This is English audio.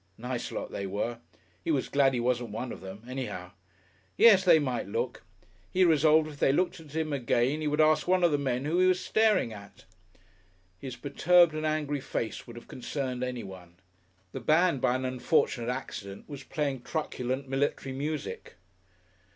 Nice lot they were. He was glad he wasn't one of them, anyhow. Yes, they might look. He resolved if they looked at him again he would ask one of the men who he was staring at. His perturbed and angry face would have concerned anyone. The band by an unfortunate accident was playing truculent military music.